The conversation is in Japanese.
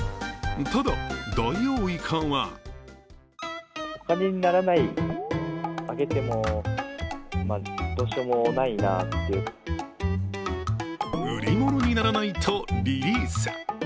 ただ、ダイオウイカは売り物にならないとリリース。